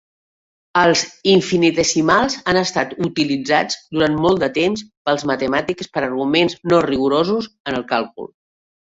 Els infinitesimals han estat utilitzats durant molt de temps pels matemàtics per arguments no rigorosos en el càlcul.